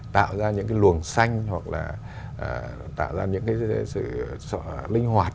tạo ra những cái luồng xanh hoặc là tạo ra những cái sự linh hoạt